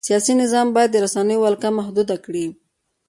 سیاسي نظام باید د رسنیو ولکه محدوده کړي.